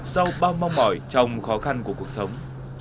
sau bao mong mỏi trong khó khăn của cuộc sống